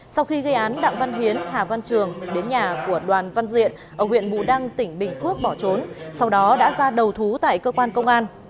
sau khi gây án đặng văn hiến hà văn trường đến nhà của đoàn văn diện ở huyện bù đăng tỉnh bình phước bỏ trốn sau đó đã ra đầu thú tại cơ quan công an